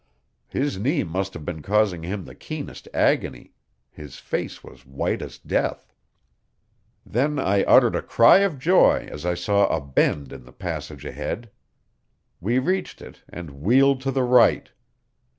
His knee must have been causing him the keenest agony; his face was white as death. Then I uttered a cry of joy as I saw a bend in the passage ahead. We reached it, and wheeled to the right.